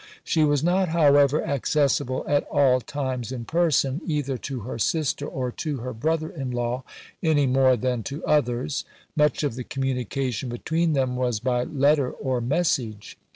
She was not, however, accessible at all times in person, either to her sister or to her brother in law, any more than to others; much of the communication between them was by letter or message.